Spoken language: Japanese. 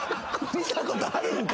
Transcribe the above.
見たことあるんか？